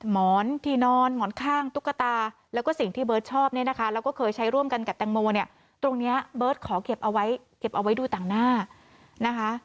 หมอนที่นอนหมอนข้างตุ๊กตาแล้วก็สิ่งที่เบิร์ตชอบเนี่ยนะคะแล้วก็เคยใช้ร่วมกันกับแตงโมเนี่ยตรงเนี้ยเบิร์ตขอเก็บเอาไว้เก็บเอาไว้ดูต่างหน้านะคะ